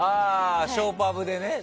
ショーパブでね。